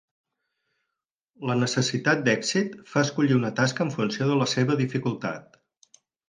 La necessitat d'èxit fa escollir una tasca en funció de la seva dificultat.